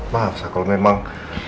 maaf kalau memang